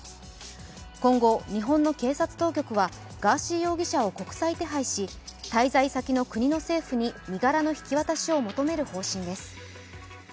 今後、日本の警察当局はガーシー容疑者を国際手配し滞在先の国の政府に身柄の引き渡しを求める方針です。